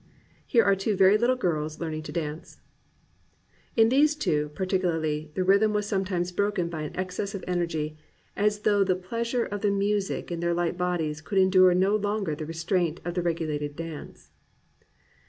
Here are two very little girls learning to dance: "In these two, particularly, the rhythm was sometimes broken by an excess of energy, as though the pleasure of the music in their light bodies could endure no longer the restraint of the regulated darwe."